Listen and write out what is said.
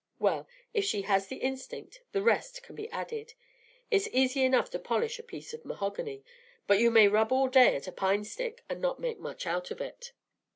Well, if she has the instinct, the rest can be added. It's easy enough to polish a piece of mahogany, but you may rub all day at a pine stick and not make much out of it."